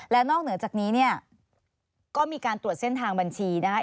และนอกเหนือจากนี้ก็มีการตรวจเส้นทางบัญชีนะ